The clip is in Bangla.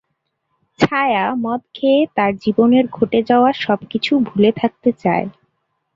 ছায়া মদ খেয়ে তার জীবনের ঘটে যাওয়া সবকিছু ভুলে থাকতে চায়।